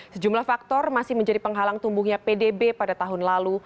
sejumlah faktor masih menjadi penghalang tumbuhnya pdb pada tahun lalu